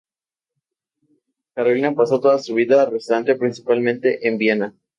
Carolina pasó toda su vida restante principalmente en Viena.